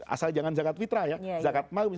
asal jangan zakat fitrah ya zakat maal misalnya